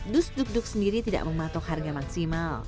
dus duk duk sendiri tidak mematok harga maksimal